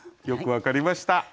よく分かりました。